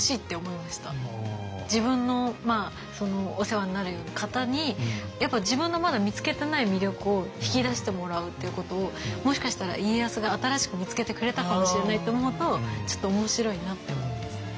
自分のお世話になる方に自分のまだ見つけてない魅力を引き出してもらうっていうことをもしかしたら家康が新しく見つけてくれたかもしれないと思うとちょっと面白いなって思いますね。